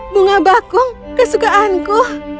bunga bakung kesukaanku